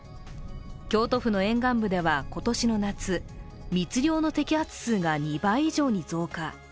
京都府の沿岸部では今年の夏、密漁の摘発数が２倍以上に増加。